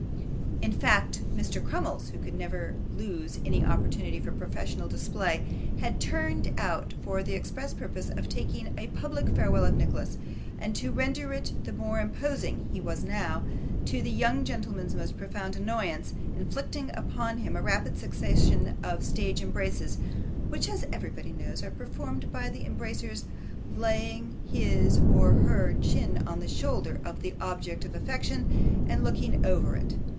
In fact, Mr. Crummles, who could never lose any opportunity for professional display, had turned out for the express purpose of taking a public farewell of Nicholas; and to render it the more imposing, he was now, to that young gentleman's most profound annoyance, inflicting upon him a rapid succession of stage embraces, which, as everybody knows, are performed by the embracer's laying his or her chin on the shoulder of the object of affection, and looking over it.